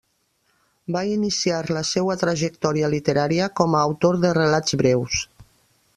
Va iniciar la seua trajectòria literària com a autor de relats breus.